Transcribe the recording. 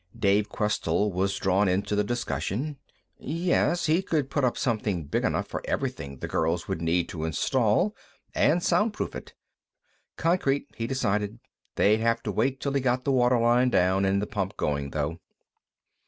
Dave Questell was drawn into the discussion. Yes, he could put up something big enough for everything the girls would need to install, and soundproof it. Concrete, he decided; they'd have to wait till he got the water line down and the pump going, though.